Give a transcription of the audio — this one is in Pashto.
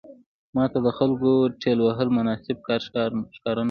ماته د خلکو ټېل وهل مناسب کار ښکاره نه شو.